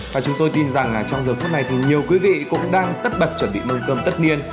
và chúng tôi tin rằng là trong giờ phút này thì nhiều quý vị cũng đang tất bật chuẩn bị mâm cơm tất niên